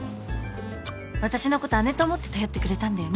私のこと姉と思って頼ってくれたんだよね